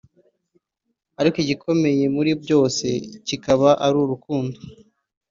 Ariko igikomeye muri byose kikaba ari urukundo